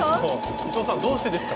伊藤さんどうしてですか？